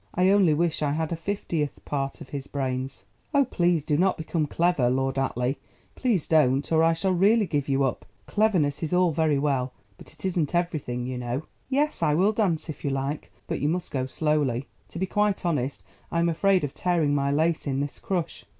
I only wish I had a fiftieth part of his brains." "Oh, please do not become clever, Lord Atleigh; please don't, or I shall really give you up. Cleverness is all very well, but it isn't everything, you know. Yes, I will dance if you like, but you must go slowly; to be quite honest, I am afraid of tearing my lace in this crush.